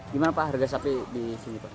gimana pak harga sapi di sini pak